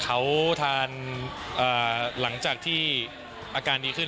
เขาทานหลังจากที่อาการดีขึ้น